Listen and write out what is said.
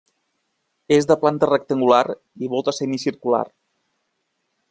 És de planta rectangular i volta semicircular.